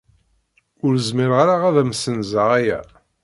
Ur zmireɣ ara ad am-ssenzeɣ aya.